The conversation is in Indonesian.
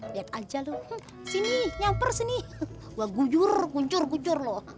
liat aja lu sini nyamper sini gua gujur gunjur gunjur loh